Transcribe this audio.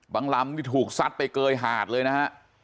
ลำนี่ถูกซัดไปเกยหาดเลยนะฮะ